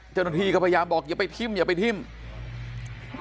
เจ้านที่ก็พยายามบอกอย่าไปพิมพ์อย่าไปพิมพ์